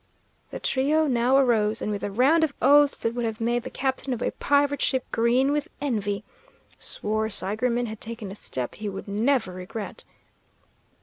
The trio now arose, and with a round of oaths that would have made the captain of a pirate ship green with envy swore Seigerman had taken a step he would never regret.